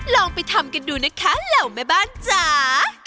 ลองไปทำกันดูนะคะเหล่าแม่บ้านจ๋า